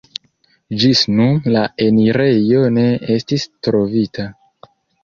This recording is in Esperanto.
Ĝis nun la enirejo ne estis trovita.